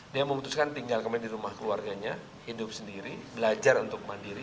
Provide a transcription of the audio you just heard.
dia memutuskan tinggal kembali di rumah keluarganya hidup sendiri belajar untuk mandiri